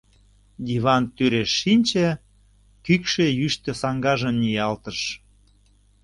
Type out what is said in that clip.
— диван тӱреш шинче, кӱкшӧ йӱштӧ саҥгажым ниялтыш...